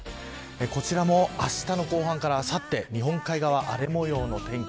こちらもあしたの後半からあさって日本海側、荒れ模様の天気。